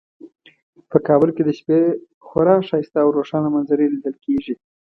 په کابل کې د شپې خورا ښایسته او روښانه منظرې لیدل کیږي